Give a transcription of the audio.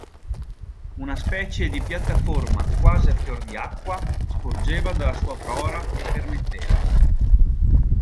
Una specie di piattaforma quasi a fior di acqua sporgeva dalla sua prora e permetteva.